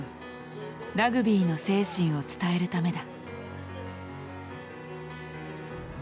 ラグビーの精神を伝えるためだ。